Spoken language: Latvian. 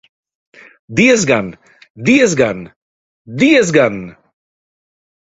Diezgan, diezgan, diezgan!